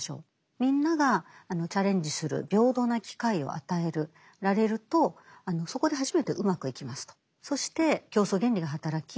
みんながチャレンジする平等な機会を与えられるとそこで初めてうまくいきますと。